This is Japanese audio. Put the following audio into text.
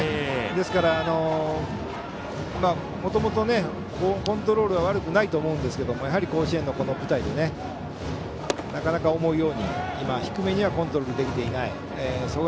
ですから、もともとコントロールは悪くないと思いますがやはり甲子園の舞台でなかなか思うように低めにはコントロールできてない。